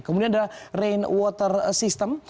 kemudian ada rain water system